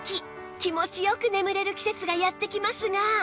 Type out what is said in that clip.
気持ちよく眠れる季節がやってきますが